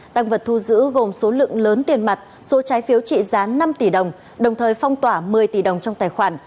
tăng vật thu giữ gồm số lượng lớn tiền mặt số trái phiếu trị giá năm tỷ đồng đồng thời phong tỏa một mươi tỷ đồng trong tài khoản